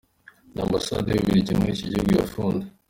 N’A mabasade y’u Bubiligi muri iki gihugu yafunze.